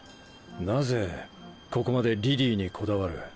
なぜここまでリリーにこだわる？